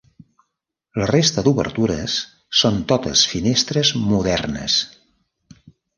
La resta d'obertures, són totes finestres modernes.